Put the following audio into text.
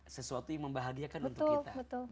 sesuatu yang membahagiakan untuk kita